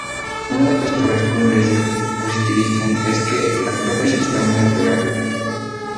Una de las obras cumbres del positivismo al que Langlois estaba muy apegado.